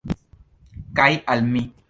Kaj al mi.